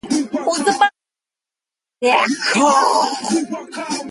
All of her grandparents were born in Ireland.